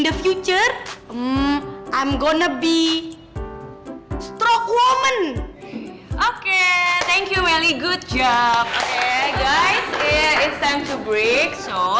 saya harap di masa depan saya akan menjadi perempuan yang kuat